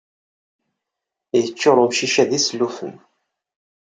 Yeččur umcic-a d isellufen.